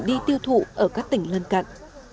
đi tiêu thụ ở các tỉnh lân cận